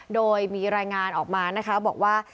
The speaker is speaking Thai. โดยมีรายงานออกมานะคะบอกว่า